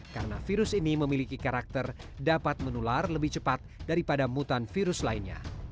karena virus ini memiliki karakter dapat menular lebih cepat daripada mutan virus lainnya